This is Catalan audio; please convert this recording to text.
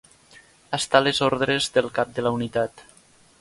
Està a les ordres del cap de la unitat.